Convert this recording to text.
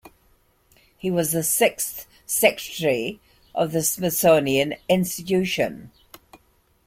He was the sixth Secretary of the Smithsonian Institution.